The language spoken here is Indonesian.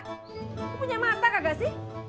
lo punya mata kagak sih